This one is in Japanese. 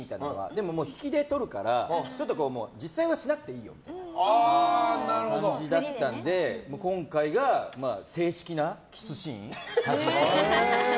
でも、引きで撮るから実際はしなくていいよっていう感じだったので今回が正式なキスシーン。